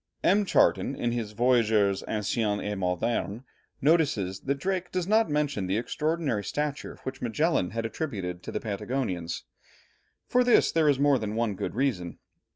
M. Charton, in his Voyageurs Anciens et Modernes, notices that Drake does not mention the extraordinary stature which Magellan had attributed to the Patagonians. For this there is more than one good reason.